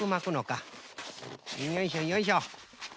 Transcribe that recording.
よいしょよいしょ。